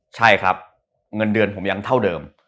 ใช่ครับเงินเดือนผมยังเท่าเดิม